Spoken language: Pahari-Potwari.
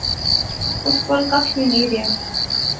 اس کول ککھ وی نی رہیا